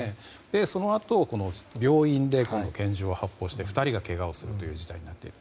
そのあと病院で拳銃を発砲して２人がけがをする事態になっている。